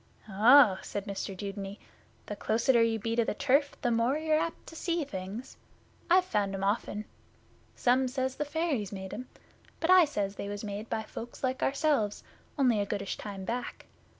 'Oh,' said Mr Dudeney, 'the closeter you be to the turf the more you're apt to see things. I've found 'em often. Some says the fairies made 'em, but I says they was made by folks like ourselves only a goodish time back.